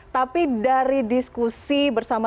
tapi dari diskusi bersama